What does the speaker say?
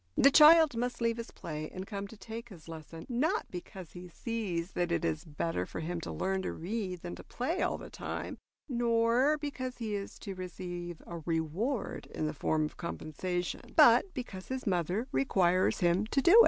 The child must leave his play and come to take his lesson, not because he sees that it is better for him to learn to read than to play all the time, nor because he is to receive a reward in the form of compensation, but because his mother requires him to do it.